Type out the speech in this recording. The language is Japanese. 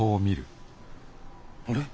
あれ？